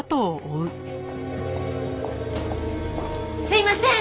すいません！